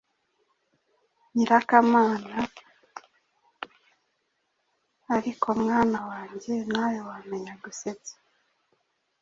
Nyirakamana: Ariko mwana wange nawe wamenya gusetsa!